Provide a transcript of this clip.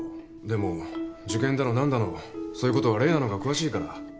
でも受験だの何だのそういうことはレイナの方が詳しいから。